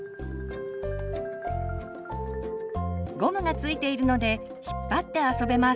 ゴムが付いているので引っ張って遊べます。